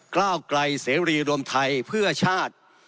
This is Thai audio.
ก้าวไกลเสรีรวมไทยเพื่อชาติ